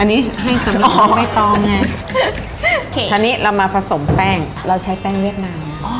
อันนี้ไม่ต้องไงอันนี้เรามาผสมแป้งเราใช้แป้งเวียดน้ำ